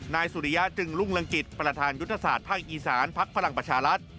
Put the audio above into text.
นายสุริยาจึงรุงลังกิจประธานยุทธศาสตร์ทางอีสานพักฝรั่งประชาลัศน์